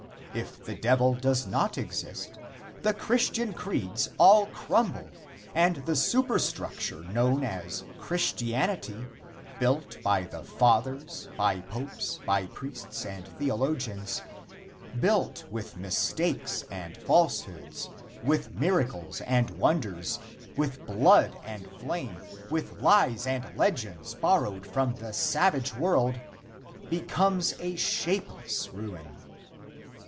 If the Devil does not exist, the Christian creeds all crumble, and the superstructure known as "Christianity," built by the fathers, by popes, by priests and theologians built with mistakes and falsehoods, with miracles and wonders, with blood and flame, with lies and legends borrowed from the savage world, becomes a shapeless ruin.